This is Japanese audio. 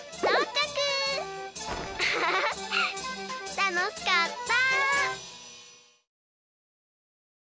たのしかった！